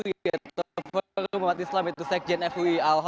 yang dianggap sebagai perwakilan dari masa fu